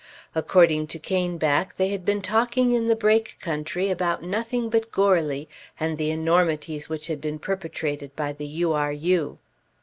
According to Caneback, they had been talking in the Brake country about nothing but Goarly and the enormities which had been perpetrated in the U. R. U.